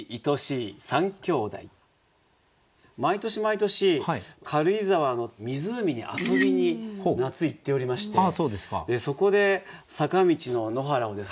毎年毎年軽井沢の湖に遊びに夏行っておりましてそこで坂道の野原をですね